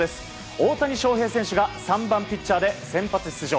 大谷翔平選手が３番ピッチャーで先発出場。